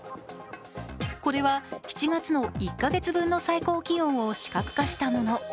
これは７月の１カ月分の最高気温を視覚化したもの。